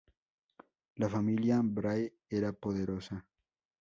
La familia Brahe era poderosa.